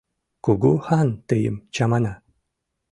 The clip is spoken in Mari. Кугу хан тыйым чамана.